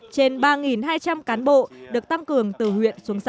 trên ba hai trăm linh cán bộ được tăng cường từ huyện xuống xã